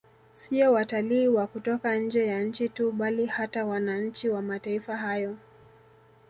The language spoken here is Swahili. Siyo watalii wa kutoka nje ya nchi tu bali hata wananchi wa mataifa hayo